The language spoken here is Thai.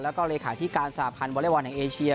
แล้วก็เลขาที่การสาธารณ์วอเล็กบอลแหวนแห่งเอเชีย